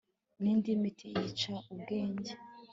n'indi miti yica ubwenge